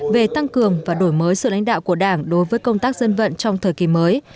về tăng cường và đổi mới sự lãnh đạo của đảng đối với công tác dân vận trong thời kỳ mới